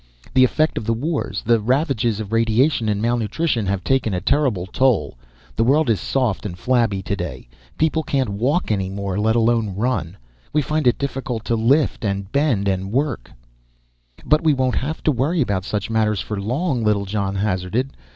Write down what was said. The effect of the wars, the ravages of radiation and malnutrition, have taken a terrible toll. The world is soft and flabby today. People can't walk any more, let alone run. We find it difficult to lift and bend and work " "But we won't have to worry about such matters for long," Littlejohn hazarded.